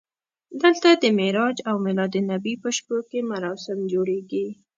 دلته د معراج او میلادالنبي په شپو کې مراسم جوړېږي.